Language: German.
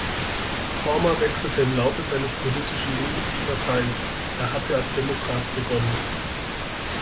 Palmer wechselte im Laufe seines politischen Lebens die Parteien; er hatte als Demokrat begonnen.